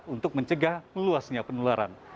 untuk mencegah luasnya penularan